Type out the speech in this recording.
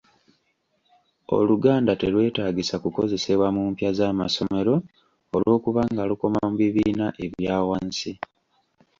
Oluganda terwetaagisa kukozesabwa mu mpya z'amasomero olw'okubanga lukoma mu bibiina ebya wansi.